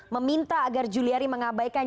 meminta agar juliari mengabaikan